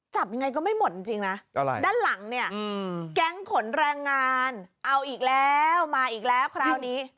จับยังไงก็ไม่หมดจริงนะด้านหลังเนี่ยแก๊งขนแรงงานเอาอีกแล้วมาอีกแล้วคราวนี้